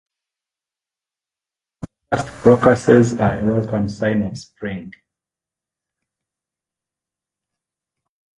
The first crocuses are a welcome sign of spring.